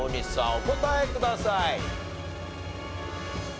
お答えください。